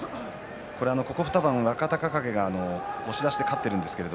ここ２番、若隆景は押し出しで勝っています。